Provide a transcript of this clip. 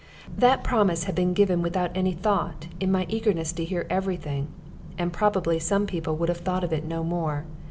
That promise had been given without any thought, in my eagerness to hear every thing, and probably some people would have thought of it no more.